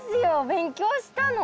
勉強したの。